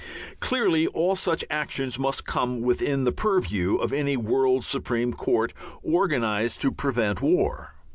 Clearly all such actions must come within the purview of any world supreme court organized to prevent war.